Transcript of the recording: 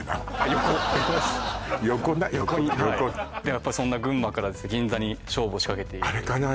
やっぱそんな群馬から銀座に勝負を仕掛けているあれかな